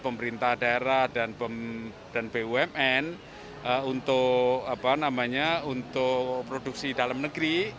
pemerintah daerah dan bumn untuk produksi dalam negeri